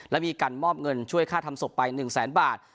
และมีการมอบเงินช่วยค่าทำศพไป๑แสนบาท